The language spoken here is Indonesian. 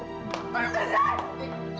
kamu bunuh mana zed